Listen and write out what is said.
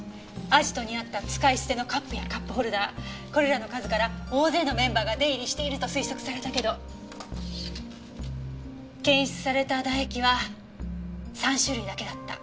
アジトにあった使い捨てのカップやカップホルダーこれらの数から大勢のメンバーが出入りしていると推測されたけど検出された唾液は３種類だけだった。